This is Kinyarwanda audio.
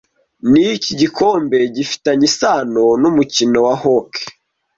Niki Igikombe gifitanye isano numukino wa Hockey